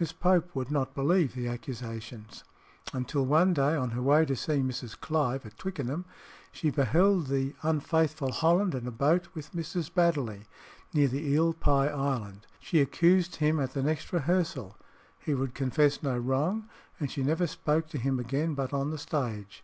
Miss Pope would not believe the accusations till one day, on her way to see Mrs. Clive at Twickenham, she beheld the unfaithful Holland in a boat with Mrs. Baddeley, near the Eel pie Island. She accused him at the next rehearsal, he would confess no wrong, and she never spoke to him again but on the stage.